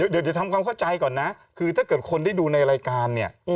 เดี๋ยวจะทำความเข้าใจก่อนนะคือถ้าเกิดคนได้ดูในรายการเนี่ย